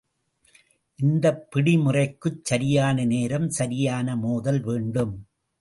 இந்தப் பிடிமுறைக்குச் சரியான நேரம், சரியான மோதல் வேண்டும்.